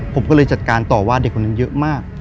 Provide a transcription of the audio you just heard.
ผมก็เลยจัดการต่อว่าเด็กคนนั้นเยอะมาก